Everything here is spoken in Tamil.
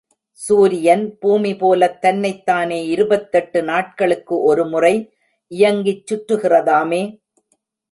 சூரியன் பூமிபோலத் தன்னைத்தானே இருபத்தெட்டு நாட்களுக்கு ஒருமுறை இயங்கிச் சுற்றுகிறதாமே!